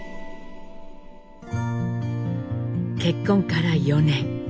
結婚から４年。